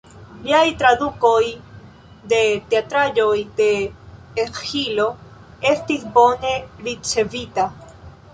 Liaj tradukoj de teatraĵoj de Esĥilo estis bone ricevita.